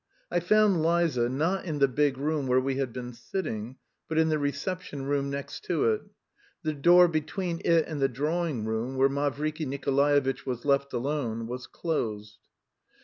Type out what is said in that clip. I found Liza not in the big room where we had been sitting, but in the reception room next to it. The door between it and the drawing room, where Mavriky Nikolaevitch was left alone, was closed.